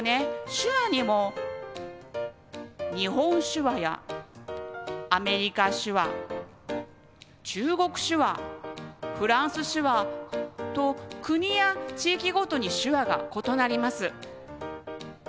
手話にも日本手話やアメリカ手話中国手話フランス手話と国や地域ごとに手話が異なります。